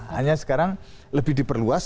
hanya sekarang lebih diperluas